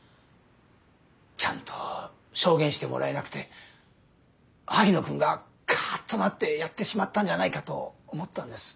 ちゃんと証言してもらえなくて萩野君がカッとなってやってしまったんじゃないかと思ったんです。